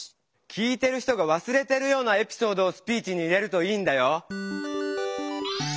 聞いてる人がわすれてるようなエピソードをスピーチに入れるといいんだよ。